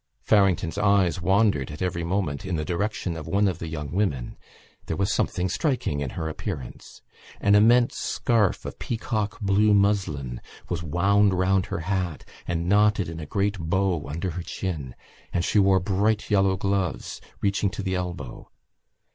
Farrington's eyes wandered at every moment in the direction of one of the young women. There was something striking in her appearance. An immense scarf of peacock blue muslin was wound round her hat and knotted in a great bow under her chin; and she wore bright yellow gloves, reaching to the elbow.